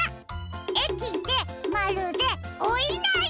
「えきでまるでおいなり」！